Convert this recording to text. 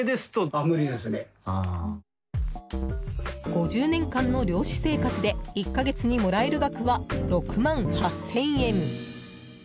５０年間の漁師生活で１か月にもらえる額は６万８０００円。